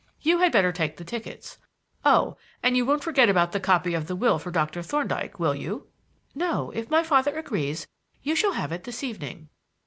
You had better take the tickets. Oh, and you won't forget about the copy of the will for Doctor Thorndyke, will you?" "No; if my father agrees, you shall have it this evening."